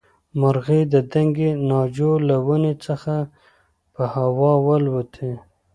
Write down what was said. مرغۍ د دنګې ناجو له ونې څخه په هوا والوتې.